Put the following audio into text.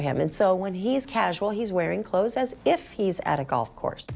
เหมือนว่าเขาอยู่ทางการกอลฟ